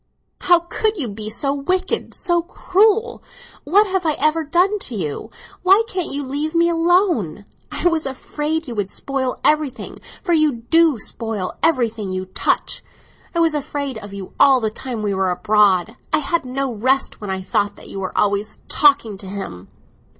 How could you be so wicked, so cruel? What have I ever done to you; why can't you leave me alone? I was afraid you would spoil everything; for you do spoil everything you touch; I was afraid of you all the time we were abroad; I had no rest when I thought that you were always talking to him."